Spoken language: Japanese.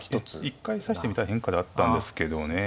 ええ一回指してみたい変化ではあったんですけどね。